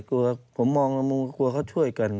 กลัวผมมองก็กลัวเขาช่วยกัน